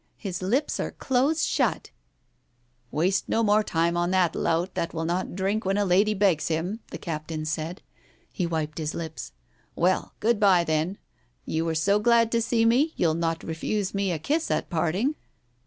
His lips are close shut " "Waste no more time on the lout that will not drink when a lady begs him," th^ captain said. He wiped his lips. "Well, good bye, then. ... You were so glad to see me, you'll not refuse me a kiss at parting